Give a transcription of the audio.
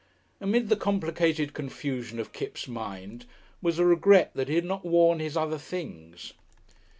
Amid the complicated confusion of Kipps' mind was a regret that he had not worn his other things....